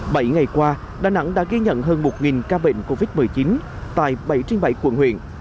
bảy ngày qua đà nẵng đã ghi nhận hơn một ca bệnh covid một mươi chín tại bảy trên bảy quận huyện